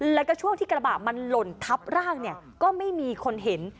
แล้วก็ช่วงที่กระบะมันหล่นทับร่างเนี่ยก็ไม่มีคนเห็น